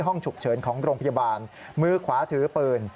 ห้องฉุกเฉินของโรงพยาบาลมือขวาถือปืน